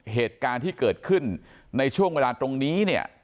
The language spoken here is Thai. เหตุการณ์ที่เกิดขึ้นในช่วงเวลาตรงนี้เนี่ย